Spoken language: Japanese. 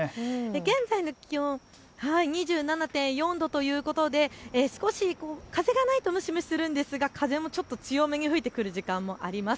現在の気温、２７．４度ということで少し風がないと蒸し蒸しするんですが風も強めに吹いてくる時間もあります。